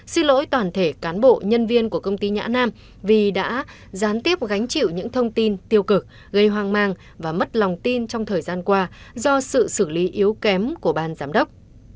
xin lỗi toàn thể cán bộ nhân viên của công ty nhã nam vì đã gián tiếp gánh chịu những thông tin tiêu cực gây hoang mang và mất lòng tin trong thời gian qua do sự xử lý yếu kém của ban giám đốc